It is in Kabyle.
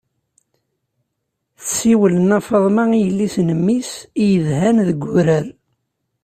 Tessiwel nna faḍma i yelli-s n mmi-s i yedhan deg wurar.